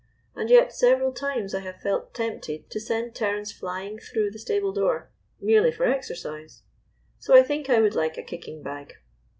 And yet several times I have felt tempted to send Terence flying through the stable door, merely for exercise. So I think I would like a kicking bag."